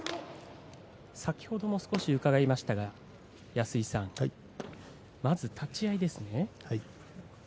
先ほども少し伺いましたが安井さん、まず立ち合いですね。